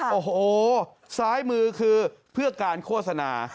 โอ้โหซ้ายมือคือเพื่อการโฆษณา